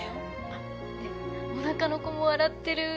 あっねえおなかの子も笑ってる。